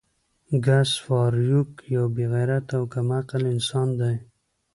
ګس فارویک یو بې غیرته او کم عقل انسان دی